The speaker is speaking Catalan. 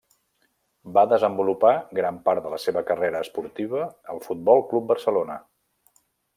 Va desenvolupar gran part de la seva carrera esportiva al Futbol Club Barcelona.